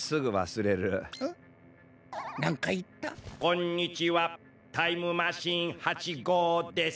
こんにちはタイムマシーン８ごうです。